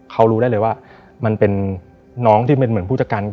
เขารู้ได้เลยว่ามันเป็นน้องที่เป็น